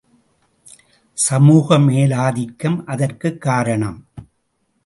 சமூக மேலாதிக்கம் அதற்குக் காரணம்.